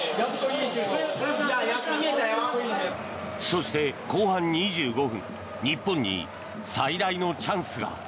そして後半２５分日本に最大のチャンスが。